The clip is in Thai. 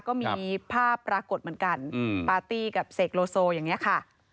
ก็มีภาพปรากฏเหมือนกันปาร์ตี้กับเสกโลโซอย่างนี้ค่ะ